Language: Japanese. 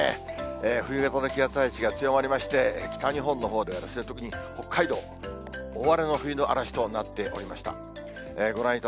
冬型の気圧配置が強まりまして、北日本のほうでは特に北海道、大荒れの冬の嵐となっておりました。